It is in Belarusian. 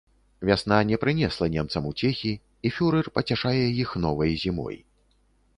Вясна не прынесла немцам уцехі, і фюрэр пацяшае іх новай зімой.